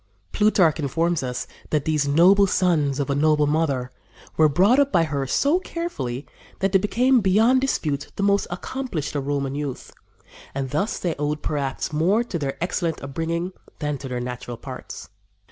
Plutarch informs us that these noble sons of a noble mother "were brought up by her so carefully that they became beyond dispute the most accomplished of Roman youth; and, thus, they owed perhaps more to their excellent upbringing than to their natural parts."